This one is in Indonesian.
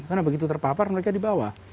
karena begitu terpapar mereka dibawa